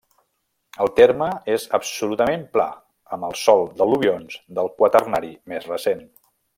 El terme és absolutament pla, amb el sòl d'al·luvions del quaternari més recent.